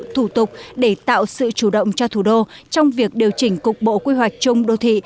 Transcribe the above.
thủ tục để tạo sự chủ động cho thủ đô trong việc điều chỉnh cục bộ quy hoạch chung đô thị